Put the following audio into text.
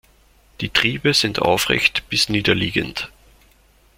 Die Triebe sind aufrecht bis niederliegend.